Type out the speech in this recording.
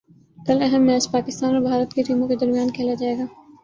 کل اہم میچ پاکستان اور بھارت کی ٹیموں کے درمیان کھیلا جائے گا